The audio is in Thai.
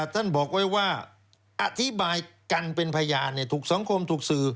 ท่านบอกไว้ว่าอธิบายกันเป็นพยานถูกสังคมถูกสื่อ